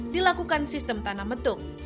dilakukan sistem tanah metuk